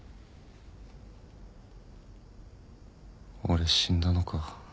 俺死んだのか？